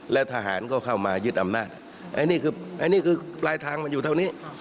และทหารก็เข้ามายึดอำนาจอันนี้คืออันนี้คือปลายทางมันอยู่เท่านี้